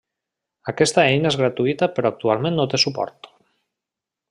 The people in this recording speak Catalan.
Aquesta eina és gratuïta però actualment no té suport.